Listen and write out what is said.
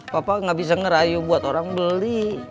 papa nggak bisa ngerayu buat orang beli